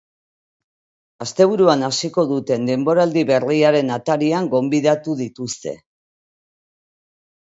Asteburuan hasiko duten denboraldi berriaren atarian gonbidatu dituzte.